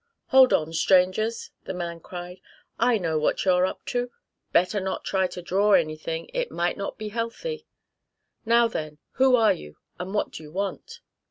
"Hold on, strangers!" the man cried. "I know what you're up to! Better not try to draw anything it might not be healthy. Now, then, who are you, and what do you want?"